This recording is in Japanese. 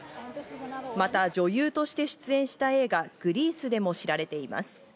また女優として出演した映画『グリース』でも知られています。